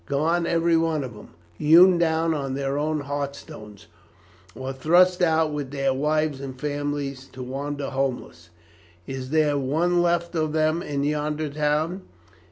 Gone every one of them; hewn down on their own hearthstones, or thrust out with their wives and families to wander homeless is there one left of them in yonder town?